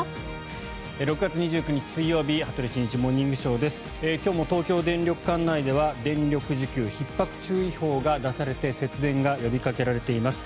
６月２９日、水曜日「羽鳥慎一モーニングショー」。今日も東京電力管内では電力需給ひっ迫注意報が出されて節電が呼びかけられています。